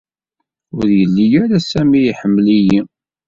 Ur yelli-y-ara Sami i ḥemmel-iyi.